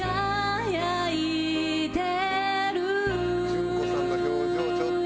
順子さんの表情ちょっと。